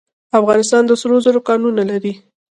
افغانستان د سرو زرو کانونه لري